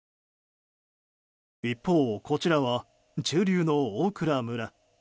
一方こちらは中流の大蔵村。